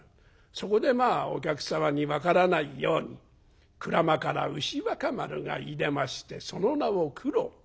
そこでまあお客様に分からないように『鞍馬から牛若丸がいでましてその名を九郎』。